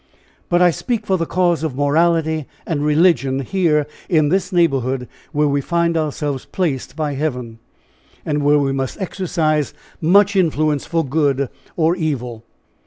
But I speak for the cause of morality and religion here in this neighborhood, where we find ourselves placed by heaven, and where we must exercise much influence for good or evil.